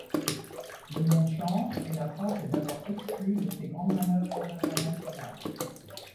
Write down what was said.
Le monde change, et la France est d’abord exclue de ces grandes manœuvres internationales.